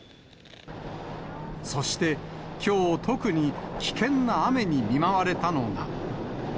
そして、きょう特に危険な雨に見舞われたのが。